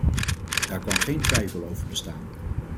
Daar kan geen twijfel over bestaan.